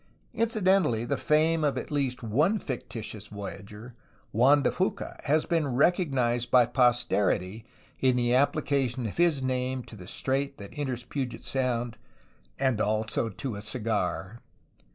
Incidentally, the fame of at least one fictitious voyager, Juan de Fuca, has been recognized by posterity in the application of his name to the strait that enters Puget Sound and also to a cigar!